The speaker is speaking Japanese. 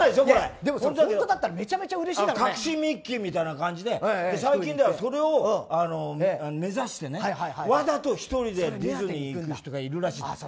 でも本当だったらめちゃめちゃ隠しミッキーみたいな感じで最近では、それを目指してわざと１人でディズニー行く人がいるらしい。